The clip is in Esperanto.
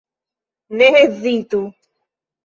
Ne hezitu!